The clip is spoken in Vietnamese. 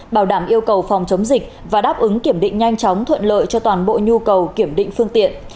bảo đảm yêu cầu phòng chống dịch và đáp ứng kiểm định nhanh chóng thuận lợi cho toàn bộ nhu cầu kiểm định phương tiện